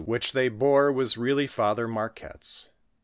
I tbey bore was really Father Marquette's.